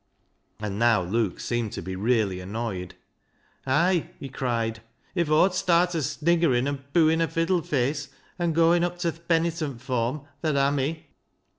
And now Luke seemed to be really annoyed. " Ay," he cried, " if Aw'd start o' sniggering, an' pooin' a fiddle face, an' gooin' up to th' penitent form, tha'd ha' me.